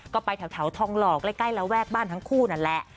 ก็ไปแถวทองหล่อใกล้ระแวกบ้านทั้งคู่นั่นแหละ